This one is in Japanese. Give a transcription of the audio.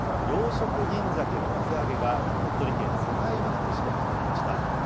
養殖ギンザケの水揚げが、鳥取県境港市で始まりました。